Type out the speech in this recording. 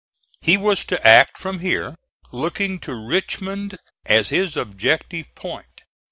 He was to act from here, looking to Richmond as his objective point.